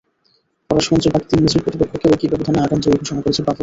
ফরাশগঞ্জের বাকি তিন ম্যাচের প্রতিপক্ষকেও একই ব্যবধানে আগাম জয়ী ঘোষণা করেছে বাফুফে।